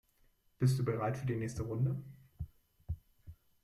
Bist du bereit für die nächste Runde?